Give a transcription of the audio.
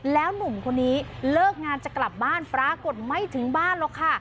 แล้วหนุ่มคนนี้เลิกงานจะกลับบ้านปรากฏไม่ถึงบ้านหรอกค่ะ